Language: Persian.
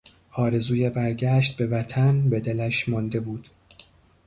آرزوی برگشت به وطن به دلش مانده بود.